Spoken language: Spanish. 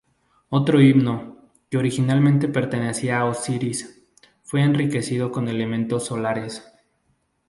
Otro himno, que originalmente pertenecía a Osiris, fue enriquecido con elementos solares.